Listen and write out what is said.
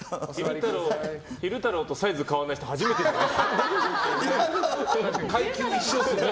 昼太郎とサイズ変わらない人初めて見ましたね。